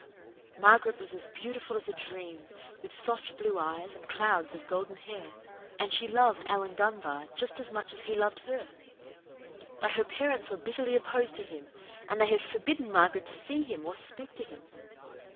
Margaret was as beautiful as a dream, with soft blue eyes and clouds of golden hair; and she loved Alan Dunbar just as much as he loved her. But her parents were bitterly opposed to him, and they had forbidden Margaret to see him or speak to him.